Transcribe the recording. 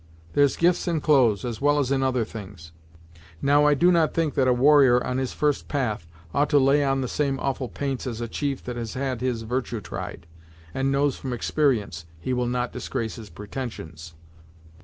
There's gifts in clothes, as well as in other things. Now I do not think that a warrior on his first path ought to lay on the same awful paints as a chief that has had his virtue tried, and knows from exper'ence he will not disgrace his pretensions.